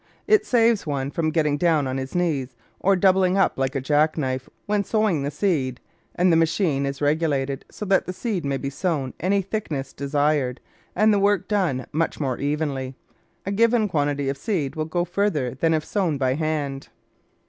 It saves one from getting down on his knees, or doubling up like a jack knife, when sow ing the seed, and, as the machine is regulated so that the seed may be sown any thickness desired and the work done much more evenly, a given quantity of seed will go farther than if sown by hand.